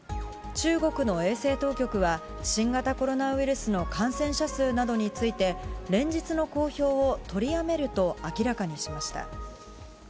中国の衛生当局は、新型コロナウイルスの感染者数などについて、連日の公表を取りやめると明らかにしました。